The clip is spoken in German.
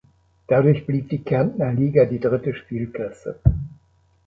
Dadurch blieb die Kärntner Liga die dritte Spielklasse.